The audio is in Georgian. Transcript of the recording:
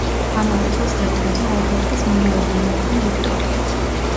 ამავე წელს დაიბადა ალბერტის მომავალი მეუღლე ვიქტორიაც.